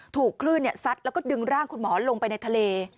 ถูกคลื่นซัดแล้วก็ดึงร่างคุณหมอลงไปในทะเล